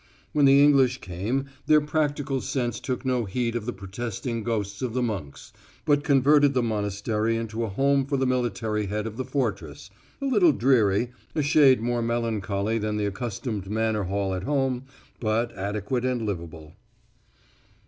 When the English came their practical sense took no heed of the protesting ghosts of the monks, but converted the monastery into a home for the military head of the fortress a little dreary, a shade more melancholy than the accustomed manor hall at home, but adequate and livable.